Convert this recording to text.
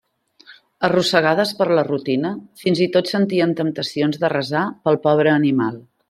Arrossegades per la rutina, fins i tot sentien temptacions de resar pel pobre animal.